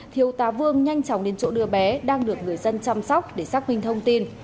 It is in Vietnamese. thiếu tá vương nhanh chóng đến chỗ đưa bé đang được người dân chăm sóc để xác minh thông tin